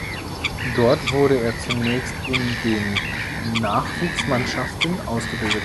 Dort wurde er zunächst in den Nachwuchsmannschaften ausgebildet.